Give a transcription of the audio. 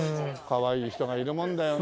かわいい人がいるもんだよね。